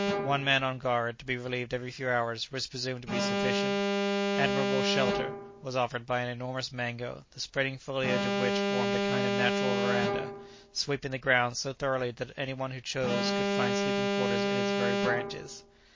One man on guard, to be relieved every few hours, was presumed to be sufficient. Admirable shelter was offered by an enormous mango, the spreading foliage of which formed a kind of natural verandah, sweeping the ground so thoroughly that any one who chose could find sleeping quarters in its very branches.